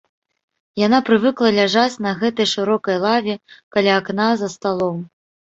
Яна прывыкла ляжаць на гэтай шырокай лаве, каля акна за сталом.